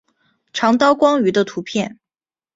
长刀光鱼的图片